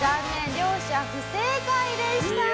両者不正解でした。